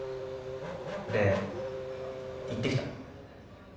で言ってきた。